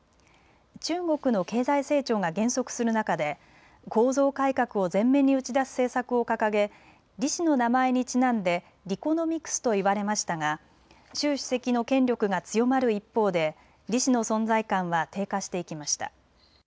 中国の経済成長が減速する中で構造改革を前面に打ち出す政策を掲げ、李氏の名前にちなんでリコノミクスといわれましたが習主席の権力が強まる一方で李氏の存在感は低下していきました。